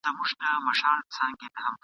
اوس هغه جنډۍ له ویري دي سرټیټي !.